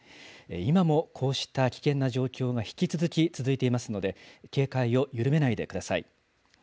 今もこうした危険な状況が引き続き続いていますので、警戒を緩めないでください。